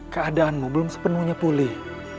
keadaanmu belum sepenuhnya pulih